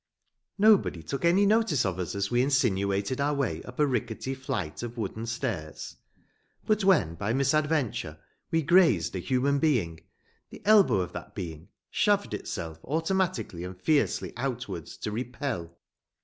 Nobody took any notice of us as we insinuated our way up a rickety flight of wooden stairs, but when by misadventure we grazed a human being the elbow of that being shoved itself automatically and fiercely outwards, to repel.